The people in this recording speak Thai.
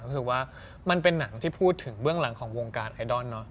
รู้สึกว่ามันเป็นหนังที่พูดถึงเบื้องหลังของวงการไอดอลเนอะ